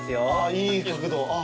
いい角度。